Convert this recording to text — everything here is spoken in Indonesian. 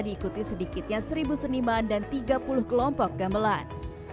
diikuti sedikitnya seribu seniman dan tiga puluh kelompok gamelan